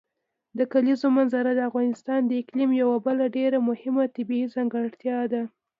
د کلیزو منظره د افغانستان د اقلیم یوه بله ډېره مهمه طبیعي ځانګړتیا ده.